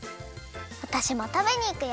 わたしもたべにいくよ！